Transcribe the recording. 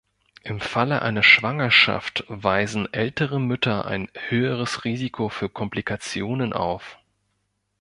Im Falle einer Schwangerschaft weisen ältere Mütter ein höheres Risiko für Komplikationen auf.